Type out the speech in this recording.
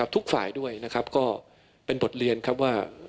ทุกฝ่ายด้วยนะครับก็เป็นบทเรียนครับว่า